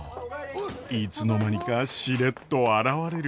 いつの間にかしれっと現れる賢秀。